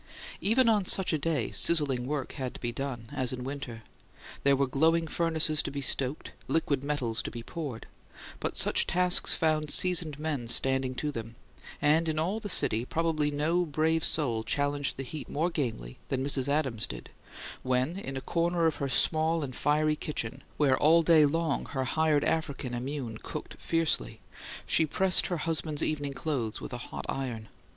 Even on such a day, sizzling work had to be done, as in winter. There were glowing furnaces to be stoked, liquid metals to be poured; but such tasks found seasoned men standing to them; and in all the city probably no brave soul challenged the heat more gamely than Mrs. Adams did, when, in a corner of her small and fiery kitchen, where all day long her hired African immune cooked fiercely, she pressed her husband's evening clothes with a hot iron.